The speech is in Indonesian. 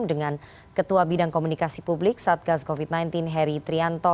dengan ketua bidang komunikasi publik satgas covid sembilan belas heri trianto